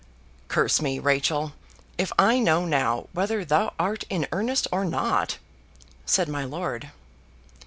"Curse me, Rachel, if I know now whether thou art in earnest or not," said my lord.